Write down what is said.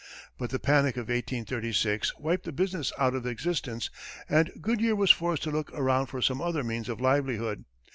But the panic of 1836 wiped the business out of existence, and Goodyear was forced to look around for some other means of livelihood.